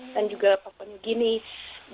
dan juga papua new guinea